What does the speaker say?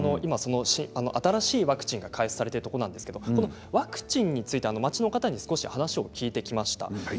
新しいワクチンが開発されているところなんですがワクチンについて、街の方に少し話を聞いてきました。